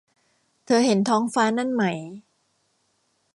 เธอเห็นท้องฟ้านั่นไหม